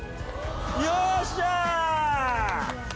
よっしゃ！